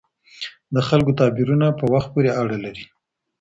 د خلګو تعبیرونه په وخت پوري اړه لري.